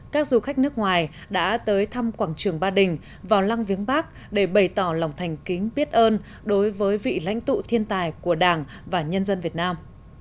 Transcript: các du khách nước ngoài đã tới thăm quảng trường ba đình vào lăng viếng bắc để bày tỏ lòng thành kính biết ơn đối với vị lãnh tụ thiên tài của đảng và nhân dân việt nam